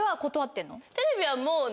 テレビはもうね。